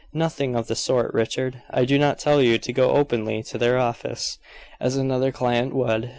"Nothing of the sort, Richard. I do not tell you to go openly to their office, as another client would.